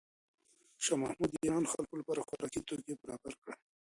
شاه محمود د ایران د خلکو لپاره خوراکي توکي برابر کړل.